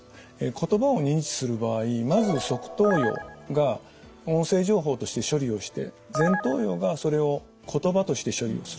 言葉を認知する場合まず側頭葉が音声情報として処理をして前頭葉がそれを言葉として処理をするということになります。